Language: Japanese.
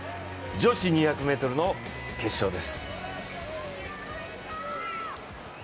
女子２００ｍの決勝です。